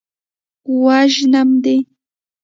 وژنم دې.